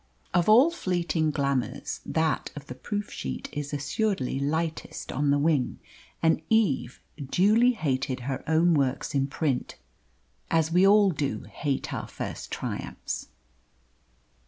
Of all fleeting glamours that of the proof sheet is assuredly lightest on the wing, and Eve duly hated her own works in print, as we all do hate our first triumphs.